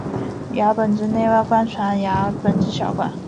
牙本质内外贯穿牙本质小管。